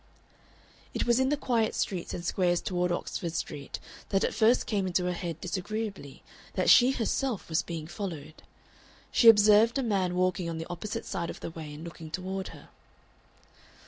It was in the quiet streets and squares toward Oxford Street that it first came into her head disagreeably that she herself was being followed. She observed a man walking on the opposite side of the way and looking toward her.